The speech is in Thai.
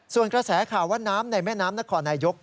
ส่วนกระแสข่าวว่าน้ำในแม่น้ำนครนายก